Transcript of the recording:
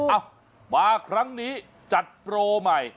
เอ้ามาครั้งนี้จัดโปรใหม่